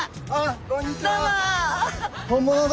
本物だ！